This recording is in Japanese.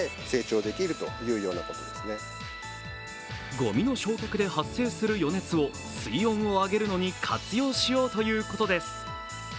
ごみの焼却で発生する余熱を水温を上げるのに活用しようということです。